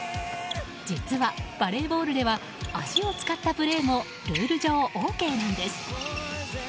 実は、バレーボールでは足を使ったプレーもルール上ＯＫなんです。